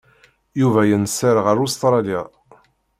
Yuba yenser ar Ustṛalya.